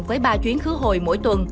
với ba chuyến khứ hồi mỗi tuần